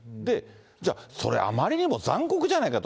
じゃあ、それはあまりにも残酷じゃないかと。